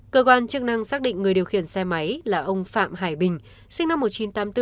cơ quan chức năng xác định người điều khiển xe máy là ông phạm hải bình sinh năm một nghìn chín trăm tám mươi bốn